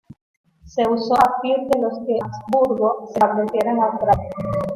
Se uso a partir de que los Habsburgo se estableciera en Austria.